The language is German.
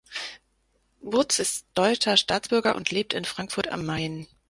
Buz ist deutscher Staatsbürger und lebt in Frankfurt am Main.